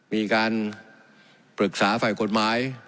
มีการปรึกษาฝ่ายกฎหมาย